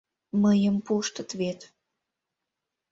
Мыйым пуштыт вет.